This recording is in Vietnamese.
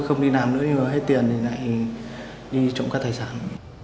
không đi làm nữa hết tiền thì lại đi trộm cắp tài sản